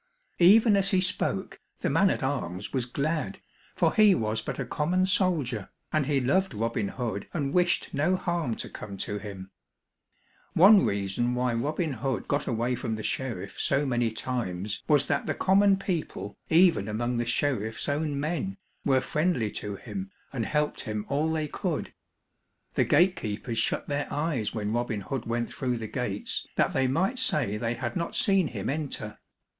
Even as he spoke, the man at arms was glad, for he was but a common soldier, and he loved Robin Hood and wished no harm to come to him. One reason why Robin Hood got away from the sheriff so many times was that the common people, even among the sheriff's own men, were friendly to him and helped him all they could. The gatekeepers shut their eyes when Robin Hood went through the gates that they might say they had not seen him enter.